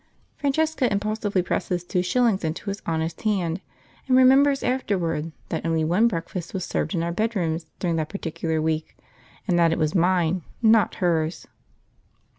Francesca impulsively presses two shillings into his honest hand and remembers afterwards that only one breakfast was served in our bedrooms during that particular week, and that it was mine, not hers.